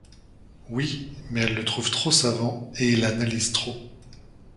Oui, mais elle le trouve trop savant et il analyse trop.